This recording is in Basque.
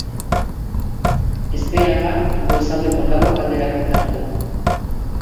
Ezbeharra goizaldeko lauak aldera gertatu da.